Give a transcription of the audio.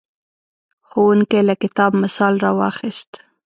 ښوونکی له کتاب مثال راواخیست.